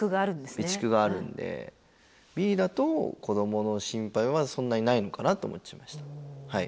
備蓄があるんでＢだと子どもの心配はそんなにないのかなと思ってしました。